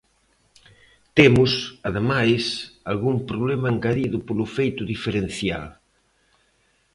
Temos, ademais, algún problema engadido polo feito diferencial.